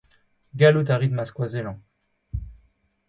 Gallout a rit ma skoazellañ.